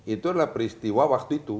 itu adalah peristiwa waktu itu